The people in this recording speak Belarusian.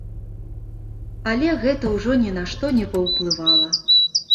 Але гэта ўжо ні на што не паўплывала.